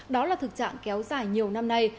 đó là thực trạng kéo dài nhiều năm nay